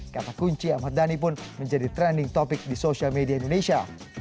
kata kunci ahmad dhani pun menjadi trending topic di sosial media indonesia